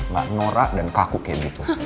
gak norak dan kaku kayak gitu